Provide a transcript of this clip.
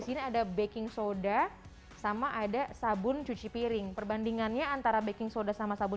sini ada baking soda sama ada sabun cuci piring perbandingannya antara baking soda sama sabun